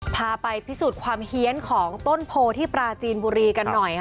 พาไปพิสูจน์ความเฮียนของต้นโพที่ปราจีนบุรีกันหน่อยค่ะ